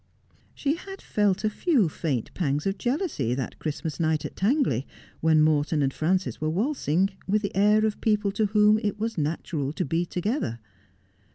She had felt a few faint pangs of jealousy that Christmas night at Tangley, when Morton and Frances were waltzing, with the air of people to whom it was natural to be together.